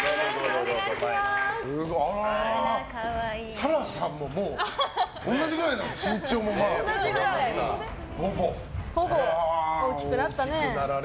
紗来さんももう同じくらいなんだ大きくなったね。